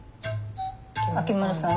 秋丸さん。